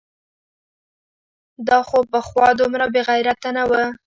دا خو پخوا دومره بېغیرته نه و؟!